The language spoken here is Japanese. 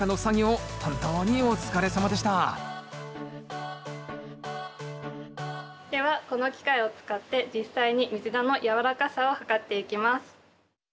本当にお疲れさまでしたではこの機械を使って実際にミズナのやわらかさを測っていきます。